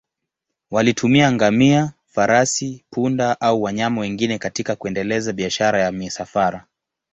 Walitumia ngamia, farasi, punda au wanyama wengine katika kuendeleza biashara ya misafara.